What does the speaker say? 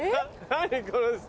何この人！